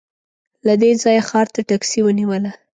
له دې ځايه ښار ته ټکسي ونیوله.